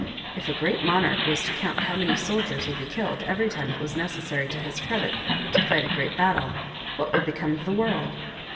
If a great monarch was to count how many soldiers would be killed every time it was necessary to his credit to fight a great battle, what would become of the world